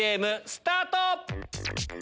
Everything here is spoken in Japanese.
スタート。